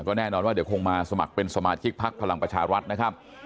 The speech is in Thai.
แน่นอนว่าเดี๋ยวคงมาสมัครเป็นสมาชิกพักพลังประชารัฐนะครับ